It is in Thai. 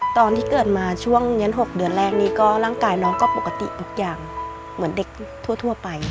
ตอนที่เกิดมาช่วงเย็น๖เดือนแรกนี้ก็ร่างกายน้องก็ปกติทุกอย่างเหมือนเด็กทั่วไป